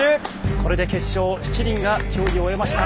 これで決勝７人が競技を終えました。